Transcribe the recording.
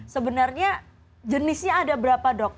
sebenarnya jenisnya ada berapa dok